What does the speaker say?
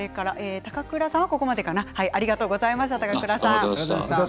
高倉さんは、ここまでありがとうございました。